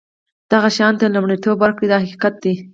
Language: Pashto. دغه شیانو ته لومړیتوب ورکړه دا حقیقت دی.